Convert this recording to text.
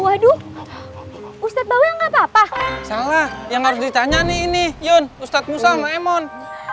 waduh ustadz bawang apa apa salah yang harus ditanya nih ini yun ustadz musa maemon